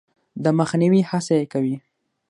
د مخنیوي هڅه یې کوي.